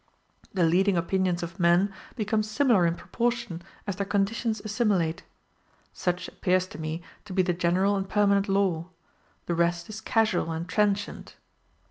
The leading opinions of men become similar in proportion as their conditions assimilate; such appears to me to be the general and permanent law the rest is casual and transient.